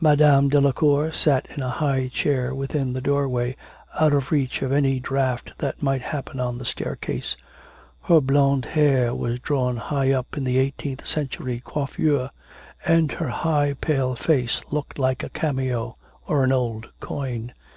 Madame Delacour sat in a high chair within the doorway, out of reach of any draught that might happen on the staircase. Her blond hair was drawn high up in an eighteenth century coiffure, and her high pale face looked like a cameo or an old coin.